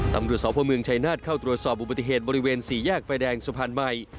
ตำรวจสพเมืองชายนาฏเข้าตรวจสอบอุบัติเหตุบริเวณสี่แยกไฟแดงสะพานใหม่